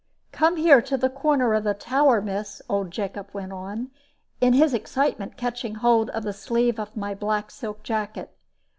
"Come here to the corner of the tower, miss," old Jacob went on, in his excitement catching hold of the sleeve of my black silk jacket.